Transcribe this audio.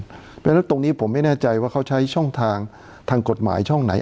เพราะฉะนั้นตรงนี้ผมไม่แน่ใจว่าเขาใช้ช่องทางทางกฎหมายช่องไหน